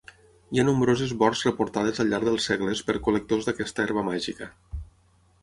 Hi ha nombroses morts reportades al llarg dels segles per col·lectors d'aquesta herba màgica.